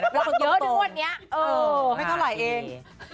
ไม่เฉ่าหลายเอง